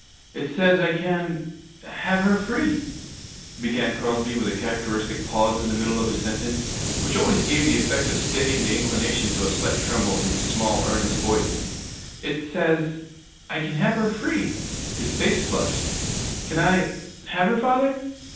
'It says I can have her free,' began Crosby, with a characteristic pause in the middle of his sentence, which always gave the effect of steadying the inclination to a slight tremble in his small, earnest voice; 'it says I can have her free.' His face flushed. 'Can I have her, father?'